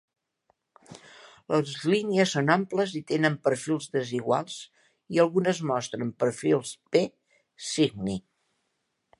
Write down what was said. Les línies són amples i tenen perfils desiguals i algunes mostren perfils P Cygni.